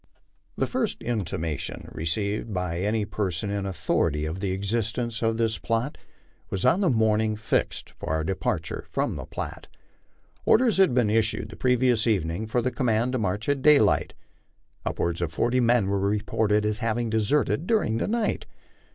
The first intimation received by any person in authority of the existence of this plot, was on the morning fixed for our departure from the Platte. Orders had been issued the previous evening for the command to march at daylight. Upwards of forty men were reported as having deserted during the night.